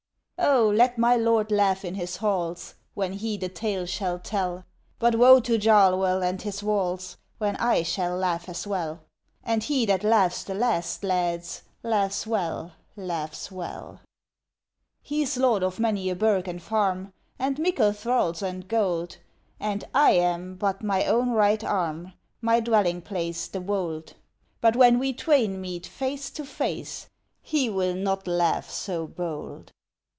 Oh, let my lord laugh in his halls When he the tale shall tell! But woe to Jarlwell and its walls When I shall laugh as well! And he that laughs the last, lads, Laughs well, laughs well! He's lord of many a burg and farm And mickle thralls and gold, And I am but my own right arm, My dwelling place the wold. But when we twain meet face to face, He will hot laugh so bold.